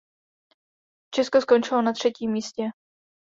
Česko skončilo na třetím místě.